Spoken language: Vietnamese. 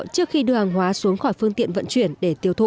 trước khi đưa hàng hóa xuống khỏi phương tiện vận chuyển để tiêu thụ